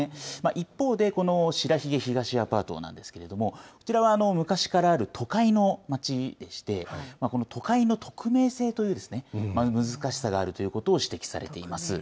一方で、この白鬚東アパートなんですけれども、こちらは昔からある都会の町でして、この都会の匿名性という難しさがあるということを指摘されています。